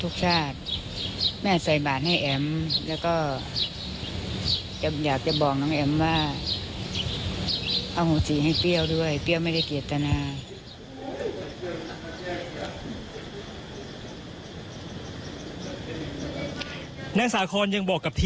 ขอบคุณครับ